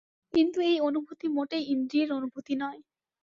কিন্তু এই অনুভূতি মোটেই ইন্দ্রিয়ের অনুভূতি নয়।